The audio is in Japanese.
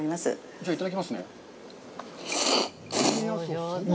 じゃあ、いただきますね。